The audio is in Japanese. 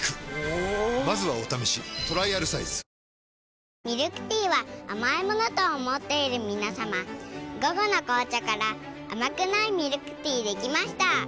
あミルクティーは甘いものと思っている皆さま「午後の紅茶」から甘くないミルクティーできました。